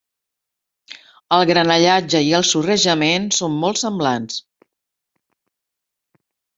El granallatge i el sorrejament són molt semblants.